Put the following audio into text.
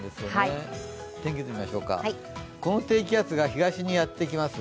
天気図見ましょうかこの低気圧が東にやってきます。